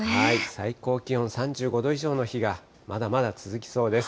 最高気温３５度以上の日がまだまだ続きそうです。